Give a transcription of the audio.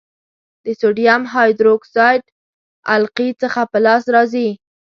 د سوډیم هایدرو اکسایډ القلي څخه په لاس راځي.